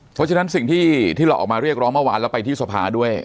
เพราะฉะนั้นสิ่งที่เราออกมาเรียกร้องเมื่อวานแล้วไปที่สภาด้วย